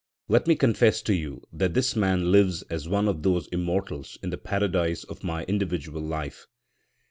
Let me confess to you that this man lives as one of those immortals in the paradise of my individual life.